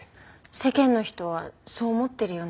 世間の人はそう思ってるよね。